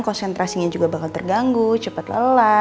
konsentrasinya juga bakal terganggu cepat lelah